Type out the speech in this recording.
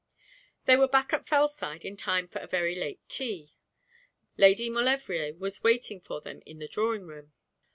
They were back at Fellside in time for a very late tea. Lady Maulevrier was waiting for them in the drawing room.